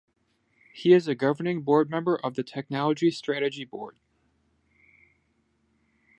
He is a governing board member of the Technology Strategy Board.